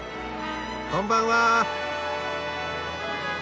こんばんは！